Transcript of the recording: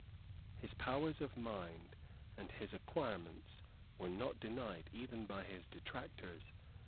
His powers of mind and his acquirements were not denied, even by his detractors.